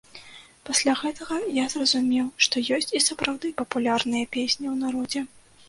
Пасля гэтага я зразумеў, што ёсць і сапраўды папулярныя песні ў народзе.